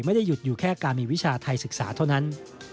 ไม่ได้หยุดอยู่แค่การมีวิชาไทยศึกษาเท่านั้น